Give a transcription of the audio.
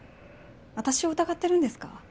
私を疑ってるんですか？